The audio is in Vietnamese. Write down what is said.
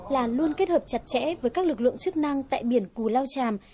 là luôn kết hợp chặt chẽ với các lực lượng chức năng tại biển cù lao tràm